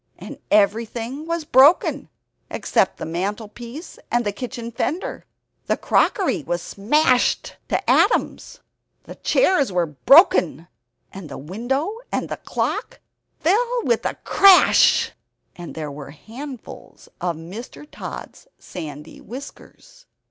And everything was broken, except the mantelpiece and the kitchen fender. The crockery was smashed to atoms. The chairs were broken, and the window, and the clock fell with a crash, and there were handfuls of Mr. Tod's sandy whiskers.